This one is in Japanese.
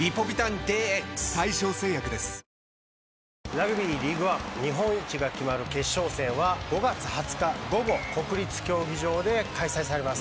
ラグビーリーグワン日本一が決まる決勝戦は５月２０日午後国立競技場で開催されます。